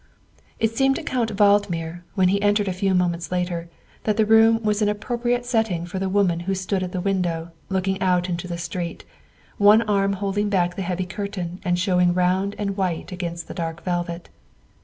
It seemed to Count Valdmir, when he entered a few moments later, that the room was an appropriate setting for the woman who stood at the window looking out into the street, one arm holding back the heavy curtain and showing round and white against the dark velvet.